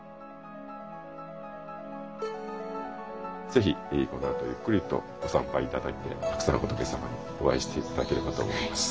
是非このあとゆっくりとご参拝頂いてたくさん仏様にお会いして頂ければと思います。